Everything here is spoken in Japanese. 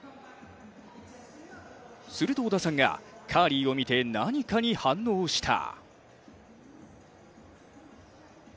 すると織田さんがカーリーを見て何かに反応した。